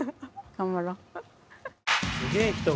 頑張ろう。